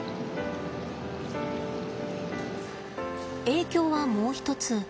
影響はもう一つ。